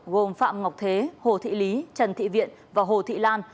gồm phạm ngọc thế hồ thị lý trần thị viện và hồ thị lan